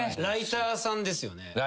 ライターさんですよね。